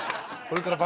これから。